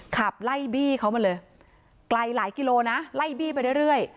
ขับไล่บี้เขามาเลยไกลหลายกิโลนะไล่บี้ไปเรื่อย